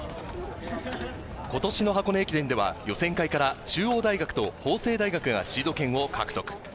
今年の箱根駅伝では予選会から中央大学と法政大学がシード権を獲得。